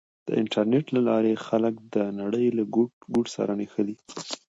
د انټرنېټ له لارې خلک د نړۍ له ګوټ ګوټ سره نښلي.